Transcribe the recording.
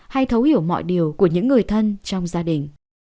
hay thấu hiểu mọi điều của những người thân trong gia đình